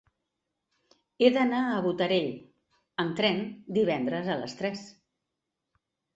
He d'anar a Botarell amb tren divendres a les tres.